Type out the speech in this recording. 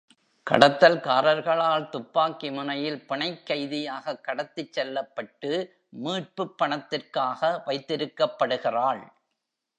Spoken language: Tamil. கடத்தல்காரர்களால் துப்பாக்கி முனையில் பிணைக் கைதியாக கடத்திச் செல்லப்பட்டு, மீட்புப் பணத்திற்காக வைத்திருக்கப்படுகிறாள்.